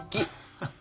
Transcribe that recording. ハハハ。